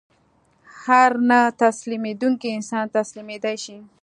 هر نه تسلیمېدونکی انسان تسلیمېدای شي